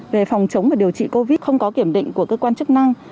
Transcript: về phòng chống và điều trị covid một mươi chín không có kiểm định của cơ quan chức năng